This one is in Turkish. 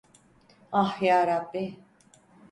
Ah yarabbi…